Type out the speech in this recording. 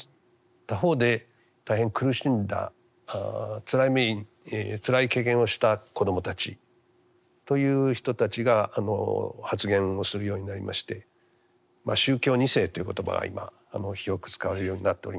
他方で大変苦しんだつらい経験をした子どもたちという人たちが発言をするようになりまして「宗教２世」という言葉は今広く使われるようになっております。